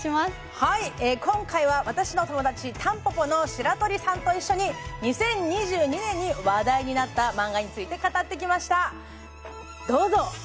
はい今回は私の友達たんぽぽの白鳥さんと一緒に２０２２年に話題になったマンガについて語ってきましたどうぞ！